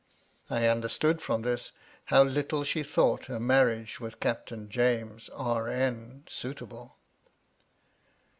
I understood from this how little she thought a marriage with Captain James, RN., suitable.